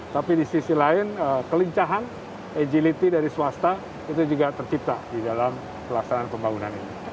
tapi di sisi lain kelincahan agility dari swasta itu juga tercipta di dalam pelaksanaan pembangunan ini